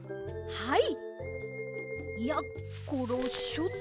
はい！